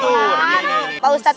rumah malkis coklat